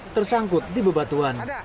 tersangkut di bebatuan